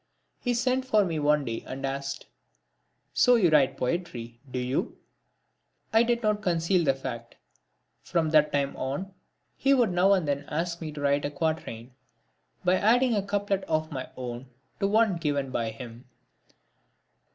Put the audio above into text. He sent for me one day and asked: "So you write poetry, do you?" I did not conceal the fact. From that time on, he would now and then ask me to complete a quatrain by adding a couplet of my own to one given by him.